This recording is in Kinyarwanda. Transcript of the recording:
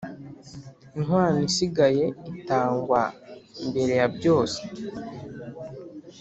Inkwano isigaye itangwa mbere yabyose